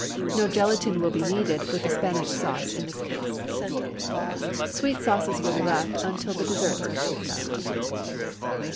No gelatine will be needed with the Spanish sauce in this case. Sweet sauces will be left until the desserts are treated of. VI.